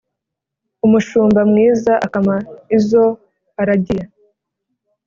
umushumba mwiza akama izo aragiye